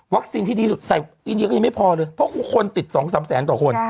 ที่ดีสุดแต่อินเดียก็ยังไม่พอเลยเพราะคนติด๒๓แสนต่อคน